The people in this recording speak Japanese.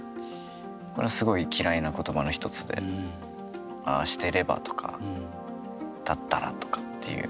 すごい嫌いなことばの１つでああしてればとかだったらとかっていう。